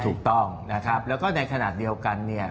ถูกต้องแล้วก็ในขณะเดียวกัน